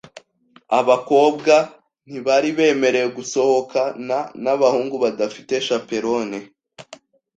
Abakobwa ntibari bemerewe gusohokana nabahungu badafite chaperone .